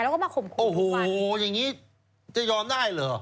แล้วก็มาข่มขู่โอ้โหอย่างนี้จะยอมได้เหรอ